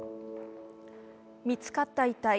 見つかった遺体。